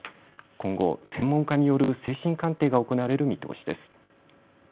今後、専門家による精神鑑定が行われる見通しです。